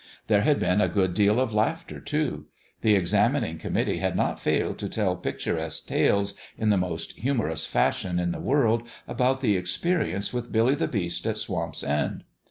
There had been a good deal of laughter, too. The examining committee had not failed to tell picturesque tales in the most humorous fashion in the world about the experi ence with Billy the Beast at Swamp's End.